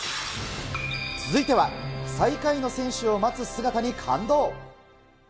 続いては、最下位の選手を待つ姿に感動。